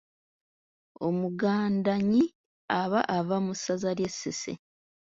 Omugandannyi aba ava mu ssaza ery’e Ssese.